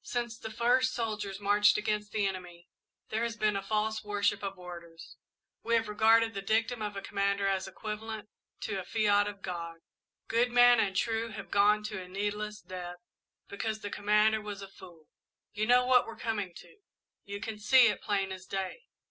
Since the first soldiers marched against the enemy, there has been a false worship of orders we have regarded the dictum of a commander as equivalent to a fiat of God. "Good men and true have gone to a needless death, because the commander was a fool. You know what we're coming to. You can see it, plain as day.